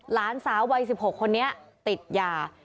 หลานสาววัย๑๖คนนี้ติดยา